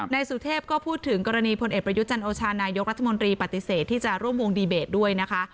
นายสุเทพก็พูดถึงกรณีพลเอกประยุจันโอชานายกรัฐมนตรีปฏิเสธที่จะร่วมวงดีเบตด้วยนะคะ